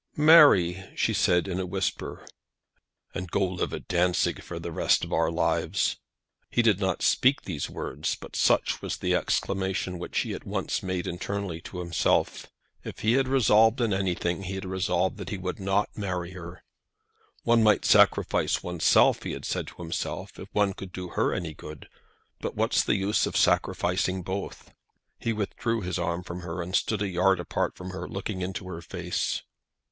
"Marry," she said, in a whisper. "And go and live at Dantzic for the rest of our lives!" He did not speak these words, but such was the exclamation which he at once made internally to himself. If he had resolved on anything, he had resolved that he would not marry her. One might sacrifice one's self, he had said to himself, if one could do her any good; but what's the use of sacrificing both. He withdrew his arm from her, and stood a yard apart from her, looking into her face.